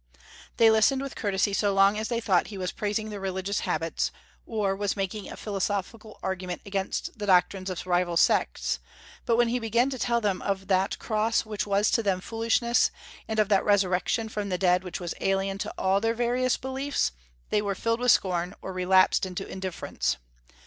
They listened with courtesy so long as they thought he was praising their religious habits, or was making a philosophical argument against the doctrines of rival sects; but when he began to tell them of that Cross which was to them foolishness, and of that Resurrection from the dead which was alien to all their various beliefs, they were filled with scorn or relapsed into indifference.